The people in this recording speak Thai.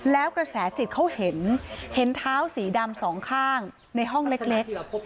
แล้วกระแสจิตเขาเห็นเห็นเท้าสีดำสองข้างในห้องเล็ก